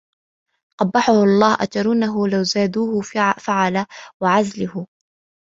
قَبَّحَهُ اللَّهُ أَتَرَوْنَهُ لَوْ زَادُوهُ فَعَلَ ؟ وَعَزَلَهُ